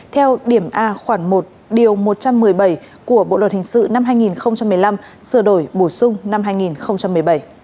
theo điểm a khoảng một điều một trăm một mươi bảy của bộ luật hình sự năm hai nghìn một mươi năm sửa đổi bổ sung năm hai nghìn một mươi bảy